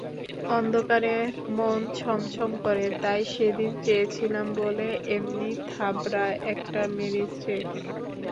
অন্ধকারে মন ছমছম করে, তাই সেদিন চেয়েছিলাম বলে এমনি থাবড়া একটা মেরেচে!